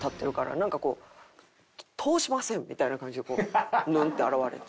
なんかこう通しませんみたいな感じでヌンって現れて。